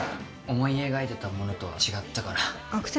思い描いてたものとは違ったから。